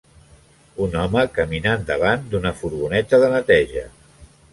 Un home caminant davant d'una furgoneta de neteja.